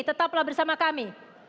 tetaplah bersama kami